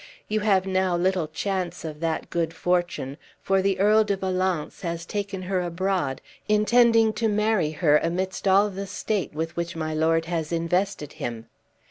You have now little chance of that good fortune, for Earl de Valence has taken her abroad, intending to marry her amidst all the state with which my lord has invested him."